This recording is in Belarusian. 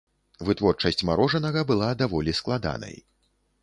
Вытворчасць марожанага была даволі складанай.